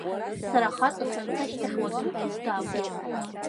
Сара хаҵа санца, ашьҭахь, уаргьы ԥҳәыс дааугеит.